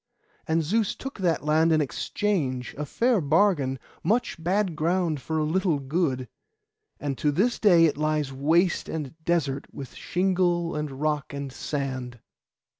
And Zeus took that land in exchange, a fair bargain, much bad ground for a little good, and to this day it lies waste and desert with shingle, and rock, and sand.